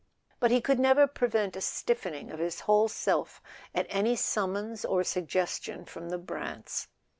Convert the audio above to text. But he could never prevent a stiffening of his whole self at any summons or suggestion from the Brants.